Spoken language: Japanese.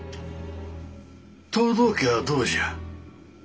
藤堂家はどうじゃ？